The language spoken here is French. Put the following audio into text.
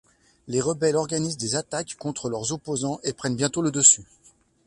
Les rebelles organisent des attaques contre leurs opposants et prennent bientôt le dessus.